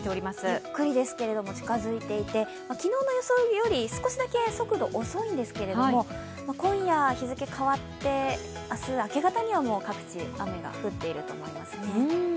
ゆっくりですけれども近づいていて、昨日の予想より少しだけ速度遅いんですけれども、今夜、日付が変わって明日、明け方には各地雨が降っていると思います。